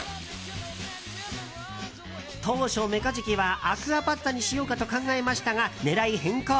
当初、メカジキはアクアパッツァにしようかと考えましたが狙い変更。